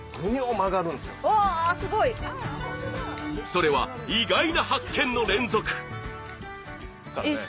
それは意外な発見の連続。